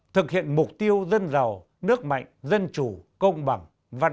thực hiện mục tiêu dân giàu nước mạnh dân chủ công bằng văn minh